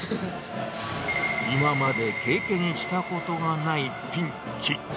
今まで経験したことがないピンチ。